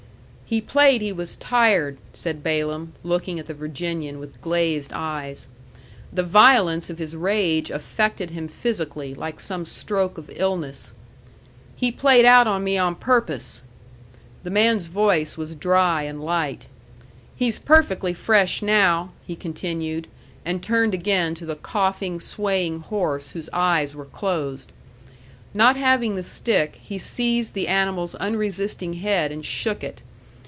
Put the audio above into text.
"He played he was tired," said Balaam, looking at the Virginian with glazed eyes. The violence of his rage affected him physically, like some stroke of illness. "He played out on me on purpose." The man's voice was dry and light. "He's perfectly fresh now," he continued, and turned again to the coughing, swaying horse, whose eyes were closed. Not having the stick, he seized the animal's unresisting head and shook it.